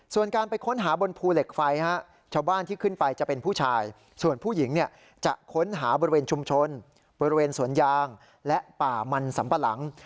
ส่วนการไปค้นหาบนภูเหล็กไฟชาวบ้านที่ขึ้นไปจะเป็นผู้ชายส่วนผู้หญิงเนี่ยจะค้นหาบริเวณชุมชนบริเวณสวนยางและป่ามันสัมปะหลัง